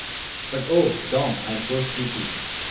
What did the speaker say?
But, oh, Dom, I’m so sleepy.